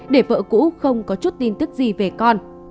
để vợ cũ không có chút tin tức gì về con